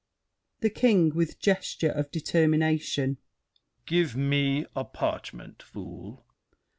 THE KING (with gesture of determination). Give me a parchment, fool.